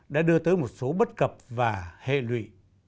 đã đưa tới một số bất cập và hệ lụy